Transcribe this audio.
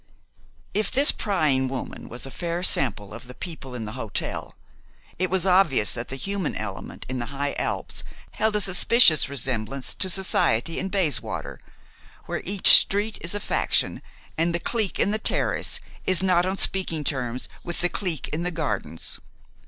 If this prying woman was a fair sample of the people in the hotel, it was obvious that the human element in the high Alps held a suspicious resemblance to society in Bayswater, where each street is a faction and the clique in the "Terrace" is not on speaking terms with the clique in the "Gardens."